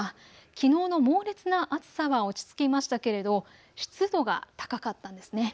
きのうの猛烈な暑さは落ち着きましたけれど湿度が高かったんです。